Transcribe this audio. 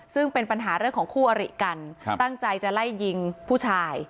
ซึ่งเป็นปัญหาเรื่องของคู่อริกันตั้งใจจะไล่ยิงผู้ชาย